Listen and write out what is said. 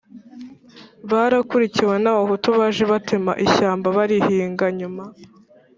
barakurikiwe n'abahutu baje batema ishyamba barihinga. nyuma